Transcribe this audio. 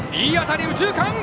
いい当たり、右中間！